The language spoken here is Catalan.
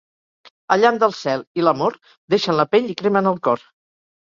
El llamp del cel i l'amor deixen la pell i cremen el cor.